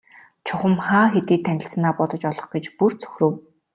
Чухам хаа хэдийд танилцсанаа бодож олох гэж бүр цөхрөв.